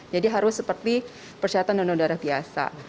jadi harus seperti persyaratan dono darah biasa